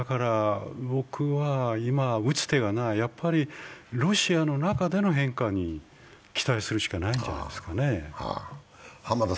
僕は、打つ手がない、ロシアの中での変化に期待するしかないんじゃないですかね。